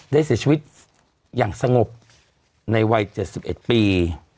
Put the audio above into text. ได้เสียชีวิตอย่างสงบในวัยเจดสิบเอ็ดปี